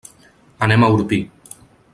Anem a Orpí.